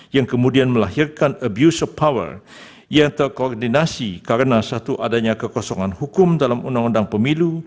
yang kemudian melahirkan abuse of power yang terkoordinasi karena satu adanya kekosongan hukum dalam undang undang pemilu